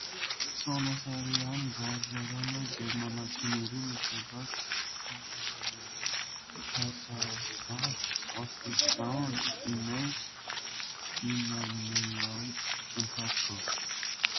Սանասարեան վարժարանը գերմանացիներու միջնակարգ վարժարաններու հաւասար աստիճան ունէր, իննամեայ ընթացքով։